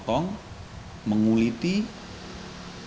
setelah mereka merebus mereka tidak bisa menghilangkan jari